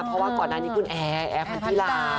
เพราะว่าก่อนหน้านี้คุณแอร์แอร์พันธิลา